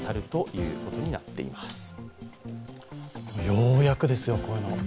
ようやくですよ。